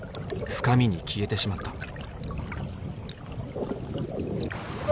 深みに消えてしまった。